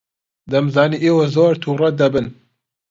دەمزانی ئێوە زۆر تووڕە دەبن.